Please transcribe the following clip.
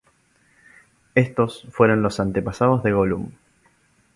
Estos fueron los antepasados de Gollum.